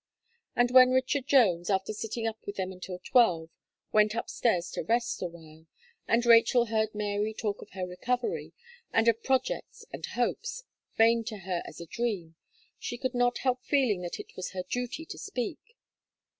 And when Richard Jones, after sitting up with them until twelve, went upstairs to rest awhile, and Rachel heard Mary talk of her recovery, and of projects and hopes, vain to her as a dream, she could not help feeling that it was her duty to speak.